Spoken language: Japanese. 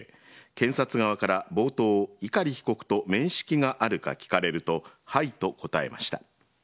検察側から冒頭、碇被告と面識があるか聞かれるとはいと答えました。